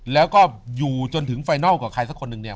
แล้วก็อยู่จนถึงไฟนัลกับใครสักคนหนึ่งเนี่ย